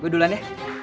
gue duluan ya